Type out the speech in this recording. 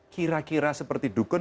kira kira seperti dukun